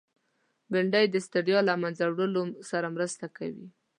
بېنډۍ د ستړیا له منځه وړلو سره مرسته کوي